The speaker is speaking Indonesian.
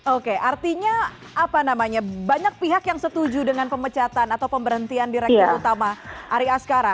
oke artinya apa namanya banyak pihak yang setuju dengan pemecatan atau pemberhentian direktur utama ari askara